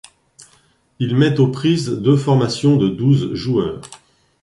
Il met aux prises deux formations de douze joueurs.